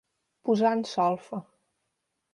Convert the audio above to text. Posar en solfa.